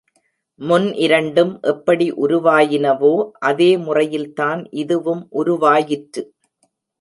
முன் இரண்டும் எப்படி உருவாயினவோ அதே முறையில்தான் இதுவும் உருவாயிற்று.